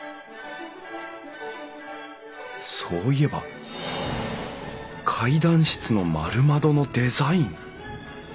そういえば階段室の丸窓のデザイン。